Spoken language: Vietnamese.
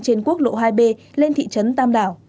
trên quốc lộ hai b lên thị trấn tam đảo